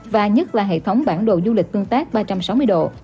và nhất là hệ thống bản đồ du lịch tương tác ba trăm sáu mươi độ